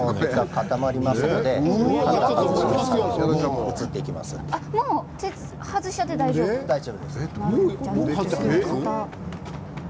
固まりますのでもう外しても大丈夫です。